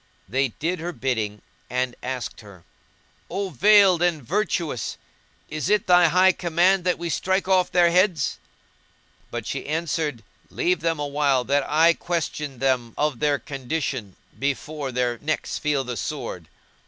They did her bidding and asked her, "O veiled and virtuous! is it thy high command that we strike off their heads?"; but she answered, "Leave them awhile that I question them of their condition, before their necks feel the sword."